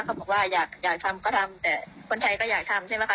เขาบอกว่าอยากทำก็ทำแต่คนไทยก็อยากทำใช่ไหมคะ